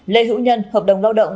lê hữu nhân hợp đồng lao động